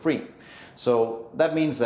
mereka mendapatkan banyak keuntungan